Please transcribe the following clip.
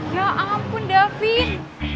ya ampun davin